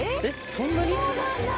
そんなに？